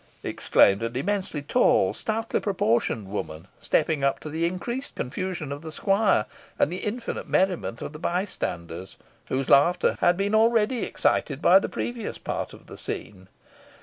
exclaimed an immensely tall, stoutly proportioned woman, stepping up, to the increased confusion of the squire, and the infinite merriment of the bystanders, whose laughter had been already excited by the previous part of the scene.